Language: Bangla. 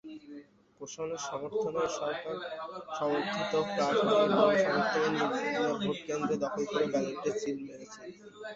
প্রশাসনের সমর্থনেই সরকার-সমর্থিত প্রার্থীর কর্মী-সমর্থকেরা নির্বিঘ্নে ভোটকেন্দ্র দখল করে ব্যালটে সিল মেরেছেন।